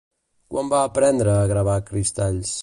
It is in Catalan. Quan va aprendre a gravar cristalls?